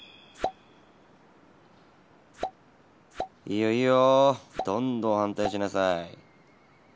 いいよいいよどんどん反対しなさい。